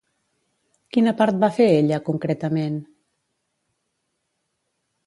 Quina part va fer ella, concretament?